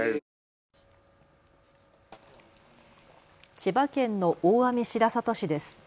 千葉県の大網白里市です。